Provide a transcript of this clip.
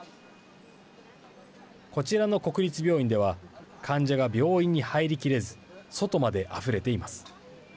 こちらの国立病院では患者が病院に入りきれず外まで、あふれています。